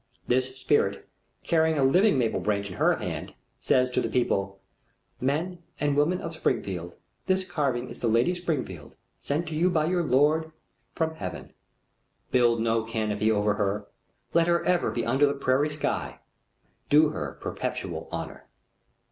This spirit, carrying a living maple branch in her hand, says to the people: "Men and Women of Springfield, this carving is the Lady Springfield sent by your Lord from Heaven. Build no canopy over her. Let her ever be under the prairie sky. Do her perpetual honor."